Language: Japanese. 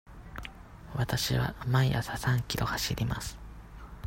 わたしは毎朝三キロ走ります。